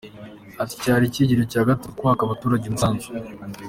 Ati: “Iki cyari icyiciro cya gatatu twaka abaturage umusanzu.